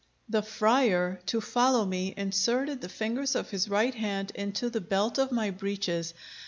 The friar, to follow me, inserted the fingers of his right hand into the belt of my breeches.